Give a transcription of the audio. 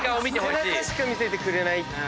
背中しか見せてくれない。